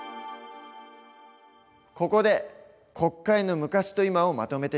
ここで国会の昔と今をまとめてみよう。